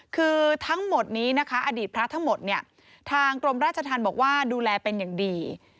คือทั้งหมดนี้นะคะอดีตพระทั้งหมดเนี่ยทางกรมราชธรรมบอกว่าดูแลเป็นอย่างดี